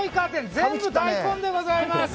全部、大根でございます！